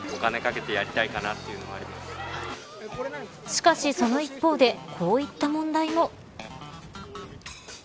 しかしその一方でこういった問題も。